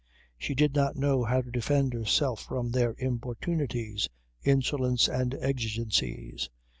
She did not know how to defend herself from their importunities, insolence and exigencies.